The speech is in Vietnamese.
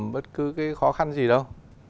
bất cứ cái khó khăn gì đâu